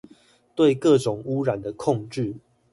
對各種汙染的控制